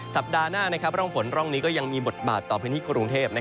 สัปดาห์หน้าร่องฝนร่องนี้ก็ยังมีบทบาทต่อพื้นที่กรุงเทพ